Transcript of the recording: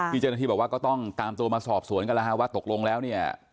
เจ้าหน้าที่บอกว่าก็ต้องตามตัวมาสอบสวนกันแล้วฮะว่าตกลงแล้วเนี่ย